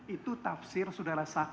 itu tafsir sudara saksi